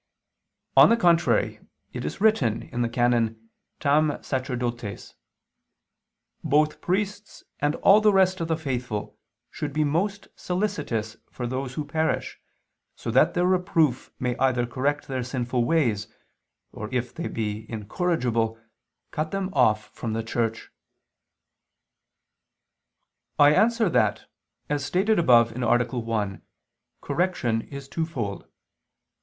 On the contrary, It is written (Dist. xxiv, qu. 3, Can. Tam Sacerdotes): "Both priests and all the rest of the faithful should be most solicitous for those who perish, so that their reproof may either correct their sinful ways, or, if they be incorrigible, cut them off from the Church." I answer that, As stated above (A. 1), correction is twofold.